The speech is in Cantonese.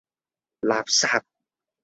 垃圾!